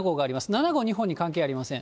７号、日本に関係ありません。